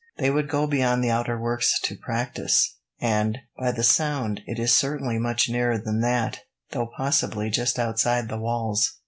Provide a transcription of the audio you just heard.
They would go beyond the outer works to practise, and, by the sound, it is certainly much nearer than that, though possibly just outside the walls."